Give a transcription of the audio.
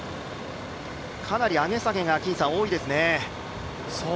かなり上げ下げが多いですね。